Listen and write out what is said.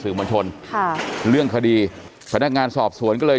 เป็นทางผ่านสื่อมวลชนเรื่องคดีพนักงานสอบสวนก็เลย